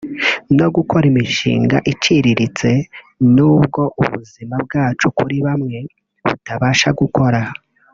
no gukora imishinga iciriritse nubwo ubuzima bwacu kuri bamwe tutabasha gukora